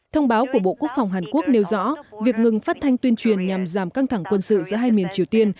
thông báo của bộ quốc phòng hàn quốc nêu rõ việc ngừng phát thanh tuyên truyền nhằm giảm căng thẳng quân sự giữa hai miền triều tiên